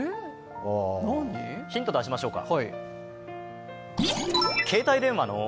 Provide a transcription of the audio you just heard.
ヒント出しましょうか。